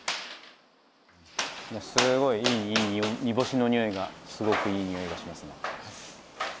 すごいいい煮干しの匂いがすごくいい匂いがしますね。